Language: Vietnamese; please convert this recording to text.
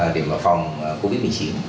để phòng covid một mươi chín